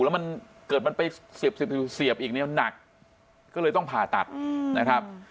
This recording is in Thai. แล้วมันเกิดมันไปเสียบอีกเนี่ยหนักก็เลยต้องผ่าตัดนะครับ